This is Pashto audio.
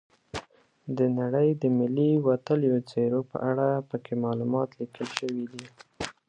د نړۍ د ملي وتلیو څیرو په اړه پکې معلومات لیکل شوي دي.